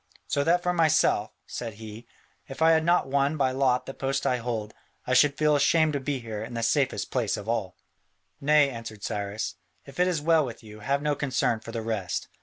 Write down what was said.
So that for myself," said he, "if I had not won by lot the post I hold, I should feel ashamed to be here in the safest place of all." "Nay," answered Cyrus, "if it is well with you, have no concern for the rest.